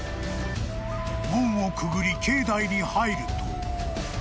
［門をくぐり境内に入ると］